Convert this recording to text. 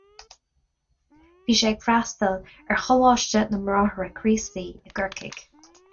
Bhí sé ag freastal ar Choláiste na mBráithre Críostaí i gCorcaigh.